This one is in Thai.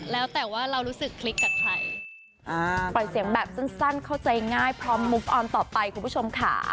แล้วแต่ว่าเรารู้สึกคลิกกับใคร